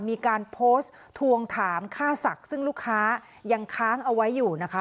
มีการโพสต์ทวงถามค่าศักดิ์ซึ่งลูกค้ายังค้างเอาไว้อยู่นะคะ